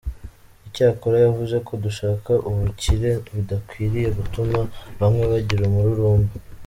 Icyakora yavuze ko gushaka ubukire bidakwiriye gutuma bamwe bagira umururumba.